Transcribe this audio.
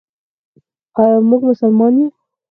آیا موږ مسلمانان یو؟